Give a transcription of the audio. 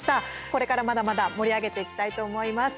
これからまだまだ盛り上げていきたいと思います。